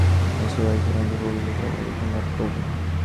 তিনি আশাবাদী ছিলেন যে, প্রকৃত সফলতা তিনি লাভ করবেনই।